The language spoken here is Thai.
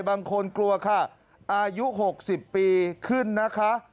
บางคนกลัวค่ะอายุ๖๐ปีขึ้นนะคะ